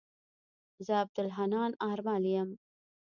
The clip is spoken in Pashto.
زه عبدالحنان آرمل يم.